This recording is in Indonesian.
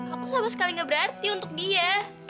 aku sama sekali gak berarti untuk dia